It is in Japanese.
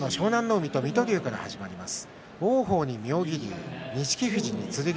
海と水戸龍から始まります。